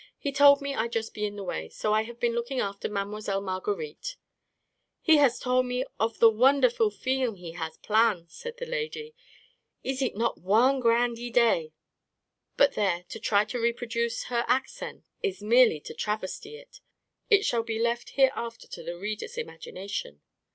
He told me I'd just be in the way. So I have been looking after Mile. Marguerite." 44 He has tol' me of the wonderful feelm he has plan 9 ," said the lady. 44 Iss eet not one grand eeday ?" But there *— to try to reproduce her ac $6 A KING IN BABYLON cent is merely to travesty it! It shall be left here after to the reader's imagination.